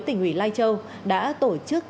tỉnh ủy lai châu đã tổ chức